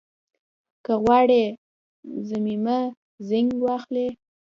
که غواړئ ضمیمه زېنک واخلئ